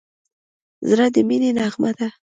زړه د مینې نغمه ده.